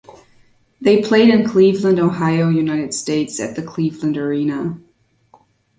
They played in Cleveland, Ohio, United States, at the Cleveland Arena.